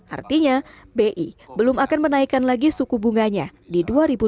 artinya bi belum akan menaikkan lagi suku bunganya di dua ribu dua puluh